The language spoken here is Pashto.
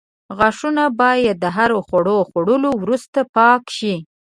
غاښونه باید د هر خواړو خوړلو وروسته پاک شي.